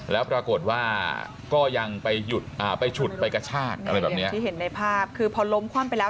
แล้วปรากฏว่าก็ยังไปหยุดอ่าไปฉุดไปกระชากอะไรแบบเนี้ยที่เห็นในภาพคือพอล้มคว่ำไปแล้ว